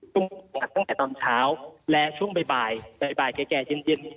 จั้นต้นเช้าและช่วงใบบ่ายแก่เย็น